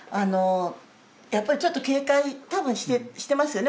やっぱりちょっと警戒多分してますよね